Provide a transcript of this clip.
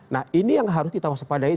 nah ini yang harus kita waspadai